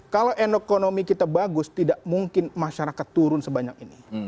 kalau enokonomi kita bagus tidak mungkin masyarakat turun sebanyak ini